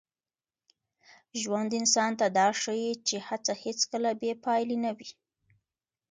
ژوند انسان ته دا ښيي چي هڅه هېڅکله بې پایلې نه وي.